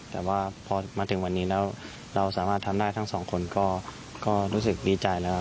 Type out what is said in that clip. แต่ว่าพอมาถึงวันนี้แล้วเราสามารถทำได้ทั้งสองคนก็รู้สึกดีใจแล้ว